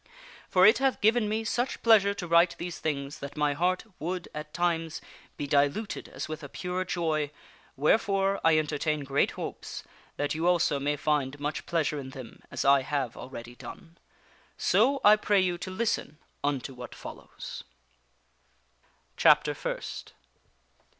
For it hath given me such pleasure to write these things that my heart would, at times, be diluted as with a pure joy, wherefore, I entertain great hopes that you also may find much pleasure in them as I have already done. So I pray you to listen unto what follows. % Valley of Delight Chapter First.